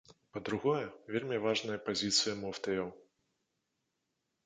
Па-другое, вельмі важная пазіцыя муфтыяў.